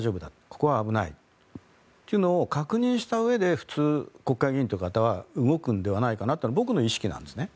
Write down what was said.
ここは危ないというのを確認したうえで普通、国会議員の方は動くのではないかなというのは僕の意識なんですね。